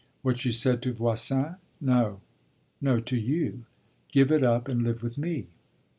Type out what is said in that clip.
"What you said to Voisin?" "No, no; to you. Give it up and live with _me."